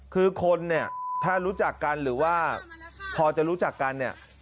คือคนเนี่ยถ้ารู้จักกันหรือว่าพอจะรู้จักกันเนี่ย